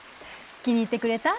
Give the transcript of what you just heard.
気に入ってくれた？